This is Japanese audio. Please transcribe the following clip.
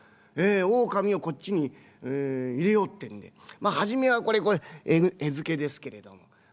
ええ狼をこっちに入れようってんでまあ初めはこれ餌付けですけれども。